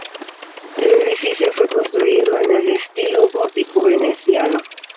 El edificio fue construido en el estilo gótico veneciano.